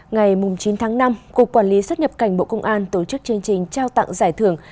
ngày chín tháng năm cục quản lý xuất nhập cảnh bộ công an tổ chức chương trình trao tặng giải thưởng